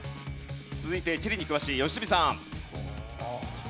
続いて地理に詳しい良純さん。